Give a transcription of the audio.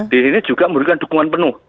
di sini juga memberikan dukungan penuh